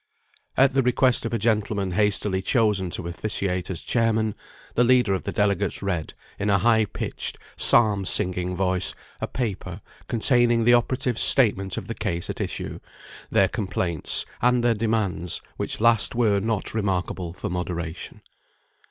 At the request of a gentleman hastily chosen to officiate as chairman, the leader of the delegates read, in a high pitched, psalm singing voice, a paper, containing the operatives' statement of the case at issue, their complaints, and their demands, which last were not remarkable for moderation.